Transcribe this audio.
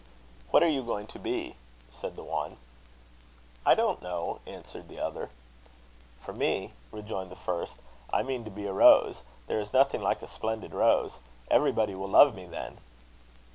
"'What are you going to be?' said the one. "'I don't know,' answered the other. "'For me,' rejoined the first, 'I mean to be a rose. There is nothing like a splendid rose. Everybody will love me then!'